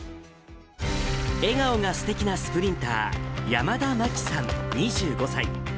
笑顔がすてきなスプリンター、山田真樹さん２５歳。